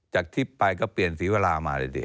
จากทิพย์ไปก็เปลี่ยนสิวาลามาเลยดี